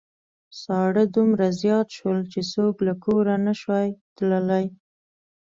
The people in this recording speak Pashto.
ساړه دومره زيات شول چې څوک له کوره نشوای تللای.